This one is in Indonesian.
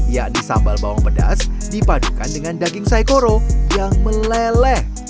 yakni sambal bawang pedas dipadukan dengan daging saikoro yang meleleh